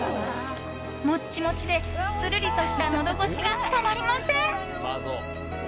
モチモチで、つるりとしたのど越しがたまりません。